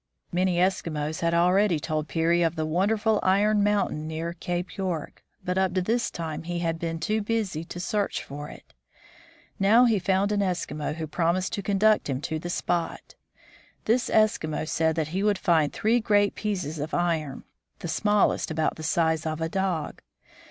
Many Eskimos had already told Peary of the wonderful iron mountain near Cape York, but up to this time he had been too busy to search for it. Now he found an Eskimo GODTHAAB. who promised to conduct him to the spot. This Eskimo said that he would find three great pieces of iron, the smallest about the size of a dog.